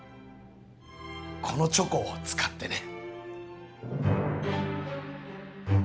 このチョコを使ってね。